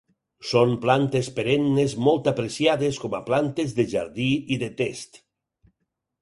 Són plantes perennes molt apreciades com a plantes de jardí i de test.